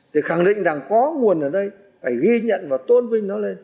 thì khẳng định rằng có nguồn ở đây phải ghi nhận và tôn vinh nó lên